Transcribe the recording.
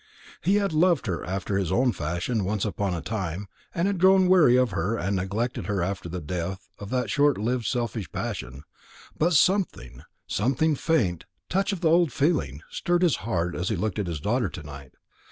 He had loved her after his own fashion once upon a time, and had grown weary of her and neglected her after the death of that short lived selfish passion; but something, some faint touch of the old feeling, stirred his heart as he looked at his daughter to night.